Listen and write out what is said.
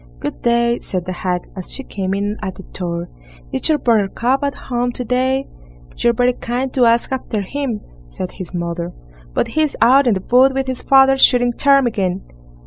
"Good day!" said the hag, as she came in at the door; "is your Buttercup at home to day?" "You're very kind to ask after him", said his mother; "but he's out in the wood with his father, shooting ptarmigan."